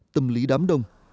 tâm lý đám đông